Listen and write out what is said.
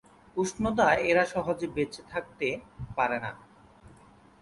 উষ্ণতায় এরা সহজে বেঁচে থাকতে পারে না।